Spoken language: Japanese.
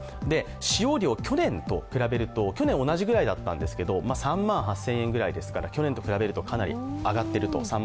使用量、去年と比べると去年と同じくらいだったんですけれども、３万８０００円でしたが去年と比べるとかなり上がっていると。